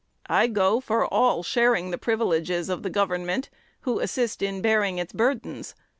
I go for all sharing the privileges of the government who assist in bearing its burdens.